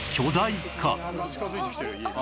近づいてきてる家に。